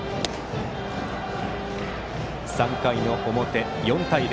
３回の表、４対０。